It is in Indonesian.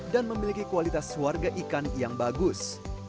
dan memiliki kualitas warga ikan yang bagus